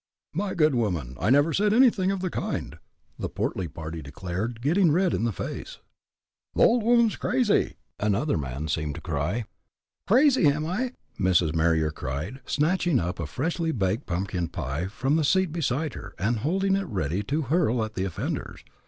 "My good woman, I never said anything of the kind," the portly party declared, getting red in the face. "The old woman's crazy!" another man seemed to cry. "Crazy, am I?" Mrs. Marier cried, snatching up a freshly baked pumpkin pie from the seat beside her, and holding it ready to hurl at the offenders.